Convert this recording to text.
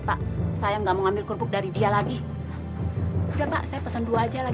bang besok jangan terlalu jang isinya